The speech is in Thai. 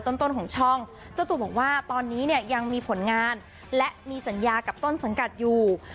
ต้นของช่องเจ้าตัวบอกว่าตอนนี้เนี่ยยังมีผลงานและมีสัญญากับต้นสังกัดอยู่